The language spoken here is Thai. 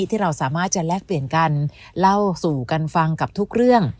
ที่เราสามารถจะแลกเปลี่ยนกันเล่าสู่กันฟังกับทุกเรื่อง